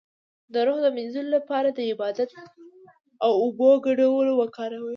د روح د مینځلو لپاره د عبادت او اوبو ګډول وکاروئ